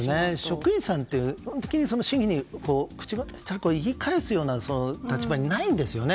職員さんって市議に言い返すような立場にないんですね。